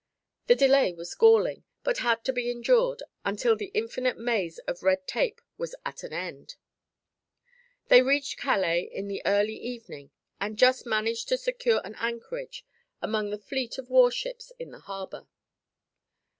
The delay was galling but had to be endured until the infinite maze of red tape was at an end. They reached Calais in the early evening and just managed to secure an anchorage among the fleet of warships in the harbor.